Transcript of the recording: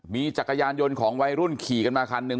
มีจักรยานยนต์ของวัยรุ่นขี่กันมาคันหนึ่ง